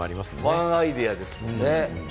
１アイデアですもんね。